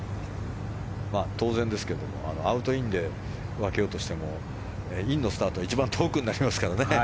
当然ですけどもアウト、インで分けようとしてもインのスタートが一番遠くになりますからね。